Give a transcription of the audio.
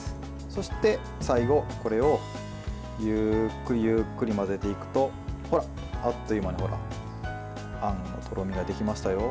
そして最後、これをゆっくり、ゆっくり混ぜていくとあっという間にあんのとろみができましたよ。